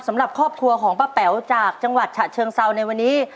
สำหรับครอบครัวของป้าแป๋วจากจังหวัดฉะเชิงเซาในวันนี้